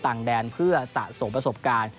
ดังด่างเพื่อสะสมประสบการณ์